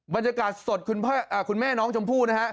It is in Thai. บรรยากาศสดคุณแม่น้องชมพู่นะฮะ